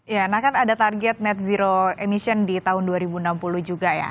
ya nah kan ada target net zero emission di tahun dua ribu enam puluh juga ya